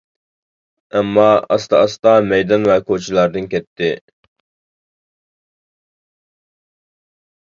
ئامما ئاستا-ئاستا مەيدان ۋە كوچىلاردىن كەتتى.